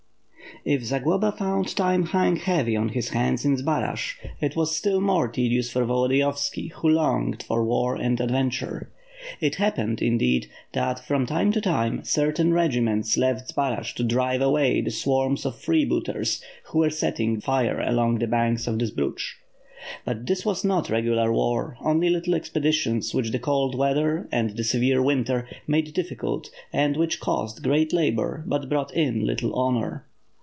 If Zagloba found time hang heavy on his hands in Zbaraj, it was still more tedious for Volodiyovski, who longed for war and adventure. It happened, indeed, that, from time to time, certain regiments left Zbaraj to drive away the swarms of freebooters who were setting fire along the banks of the Zbruch. But this was not regular war, only little expeditions which the cold weather and the severe winter made diflScult and which caused great labor but brought in little honor.